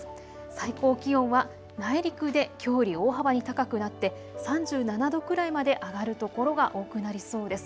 最高気温は内陸できょうより大幅に高くなって３７度くらいまで上がる所が多くなりそうです。